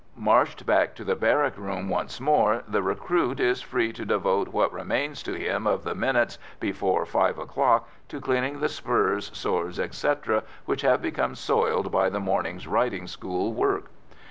Marched back to the barrack room once more, the recruit is free to devote what remains to him of the minutes before five o'clock to cleaning the spurs, sword, etc., which have become soiled by the morning's riding school work.